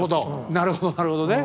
なるほどなるほどね。